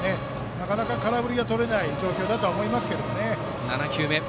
なかなか、空振りがとれない状況だとは思いますけれどもね。